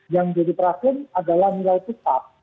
yang jadi perakuan adalah nilai pusat